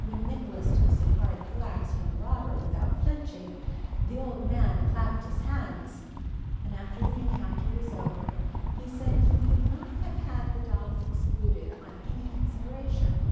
When Nicholas took some hard thwacks from Robert without flinching, the old man clapped his hands; and after the encounter was over, he said he would not have had the dogs excluded on any consideration.